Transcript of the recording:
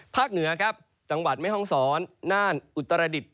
ภาคเหนือจังหวัดไม่ฮ่องศรน่านอุตรดิษฐ์